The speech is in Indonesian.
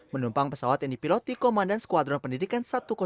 menumpang pesawat yang dipiloti komandan skuadron pendidikan satu ratus dua